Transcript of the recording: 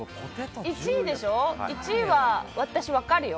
１位は私、分かるよ。